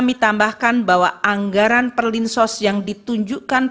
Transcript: dapat kami tambahkan bahwa anggaran perlinsos yang ditandai pada perbankan